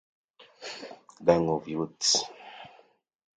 Gang of Youths